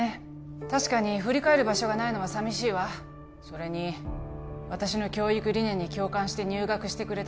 確かに振り返る場所がないのは寂しいわそれに私の教育理念に共感して入学してくれた